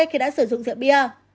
khi đã sử dụng rượu bia